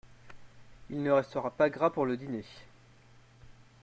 Il ne restera pas gras pour le dîner.